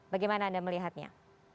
bagaimana anda melihatnya